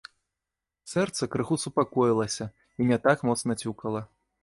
Сэрца крыху супакоілася і не так моцна цюкала.